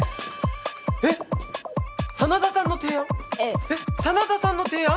えっ真田さんの提案？